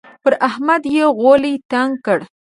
پر احمد يې غولی تنګ کړ.